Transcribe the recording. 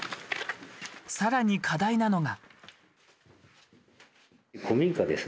さらに課題なのが。